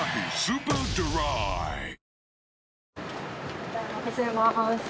おはようございます